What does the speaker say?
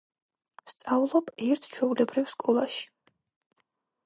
ვსწავლობ ერთ ჩვეულებრივ სკოლაში